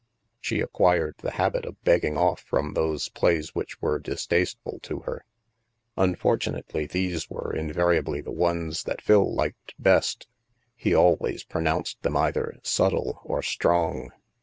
She acquired the habit of begging off from those plays which were distasteful to her. Unfortunately these were in variably the ones that Phil liked best. He always pronounced them either " subtle " or " strong."